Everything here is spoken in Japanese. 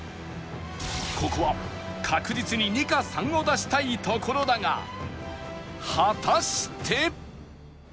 ここは確実に「２」か「３」を出したいところだが果たして